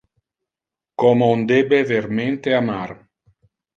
Como on debe vermente amar.